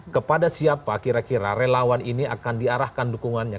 kepada siapa kira kira relawan ini akan diarahkan dukungannya